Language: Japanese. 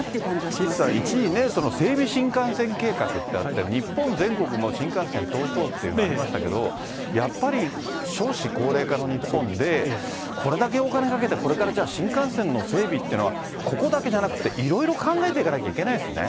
岸さん、一時ね、整備新幹線計画ってあって、日本全国、新幹線通そうっていうのありましたけど、やっぱり少子高齢化の日本で、これだけお金かけて、これからじゃあ、新幹線の整備っていうのは、ここだけじゃなくて、いろいろ考えていかなきゃいけないですよね。